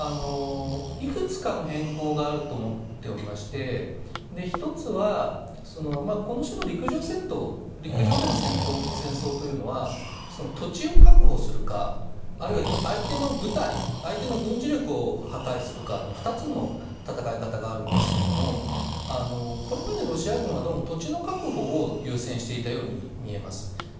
いくつかの変更があると思っておりまして１つは、この種の陸上での戦争というのは土地を確保するかあるいは相手の部隊相手の軍事力を破壊するかの２つの戦い方があるんですけれどもこれまで、ロシア軍はどうも土地の確保を優先していたように見えます。